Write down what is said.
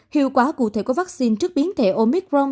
hiệu quả cụ thể của vaccine trước biến thể omicron